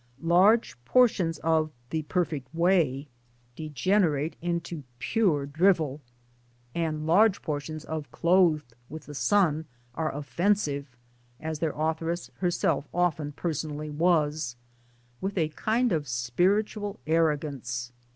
Large portions of The Perfect Way degenerate into mere 244 MY DAYS AND DREAMS drivel, and large portions of Clothed with the San are offensive (as their authoress herself often per sonally was) with a kind of spiritual arrogance.